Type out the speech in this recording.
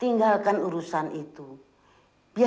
yang barang luas kitten gemuk man